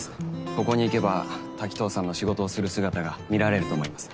ここに行けば滝藤さんの仕事をする姿が見られると思います。